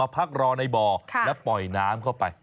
พักรอในบ่อและปล่อยน้ำเข้าไป